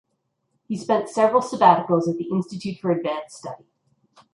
He spent several sabbaticals at the Institute for Advanced Study.